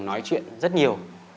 nói chuyện rất nhiều